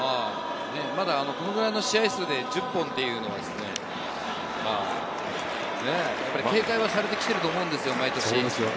このくらいの試合数で１０本というのが、警戒されてきていると思うんですよ、毎年。